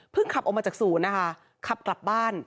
ขับออกมาจากศูนย์นะคะขับกลับบ้าน